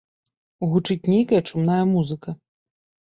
Гучыць нейкая чумная музыка.